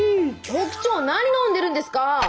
局長何飲んでるんですか？